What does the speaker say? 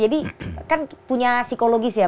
jadi kan punya psikologis ya